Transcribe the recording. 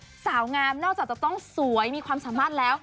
สาวงามนอกจากจะต้องสวยมีความสามารถแล้ว